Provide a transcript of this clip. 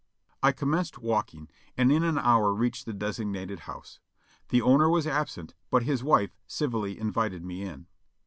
I commenced walking, and in an hour reached the designated house. The owner was absent but his wife civilly invited me in.